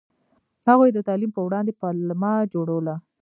هغوی د تعلیم په وړاندې پلمه جوړوله.